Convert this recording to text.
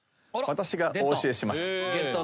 私がお教えします。